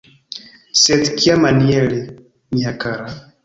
Sed kiamaniere, mia kara?